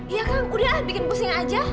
iya kang udah bikin pusing aja